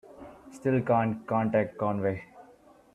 Still can't contact Conway.